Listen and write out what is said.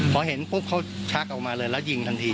พอเห็นปุ๊บเขาชักออกมาเลยแล้วยิงทันที